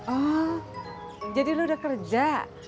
oh jadi lu udah kerja